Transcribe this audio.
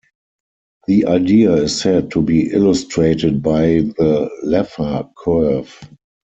The idea is said to be illustrated by the Laffer curve.